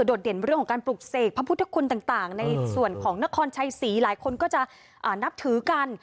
เด่นเรื่องของการปลุกเสกพระพุทธคุณต่างในส่วนของนครชัยศรีหลายคนก็จะนับถือกัน